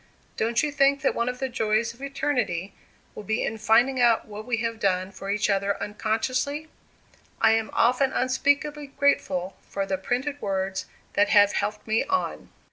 Don't you think that one of the joys of eternity will be in finding out what we have done for each other unconsciously? I am often unspeakably grateful for the printed words that have helped me on."